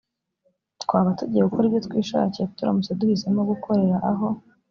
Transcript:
twaba tugiye gukora ibyo twishakiye turamutse duhisemo gukorera aho